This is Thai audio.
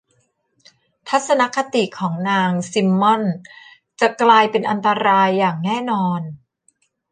ทัศนคติของนางซิมมอนส์จะกลายเป็นอันตรายอย่างแน่นอน